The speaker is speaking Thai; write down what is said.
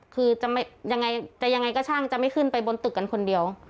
คือจะยังไงก็ช่างจะไม่ขึ้นไปบนตึกคนเดียว